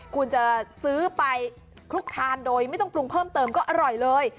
คุณจะซื้อไปคลุกทานโดยไม่ต้องปรุงเพิ่มเติมก็อร่อยเลย